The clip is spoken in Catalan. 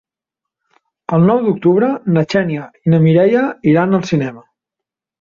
El nou d'octubre na Xènia i na Mireia iran al cinema.